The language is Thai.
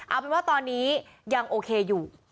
เอาเป็นว่าตอนนี้ยังโอเคอยู่